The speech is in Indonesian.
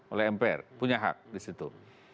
oleh mpr punya hak disitu